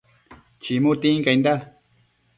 chimu tincainda